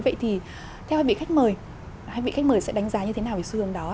vậy thì theo hai vị khách mời hai vị khách mời sẽ đánh giá như thế nào về xu hướng đó